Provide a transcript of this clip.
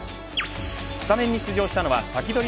スタメンに出場したのはサキドリ！